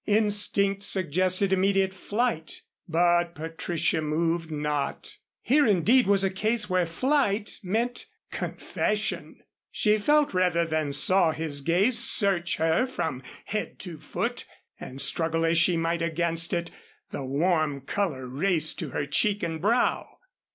Instinct suggested immediate flight. But Patricia moved not. Here indeed was a case where flight meant confession. She felt rather than saw his gaze search her from head to foot, and struggle as she might against it, the warm color raced to her cheek and brow.